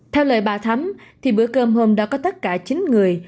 theo lời bà thấm thì bữa cơm hôm đó có tất cả chín người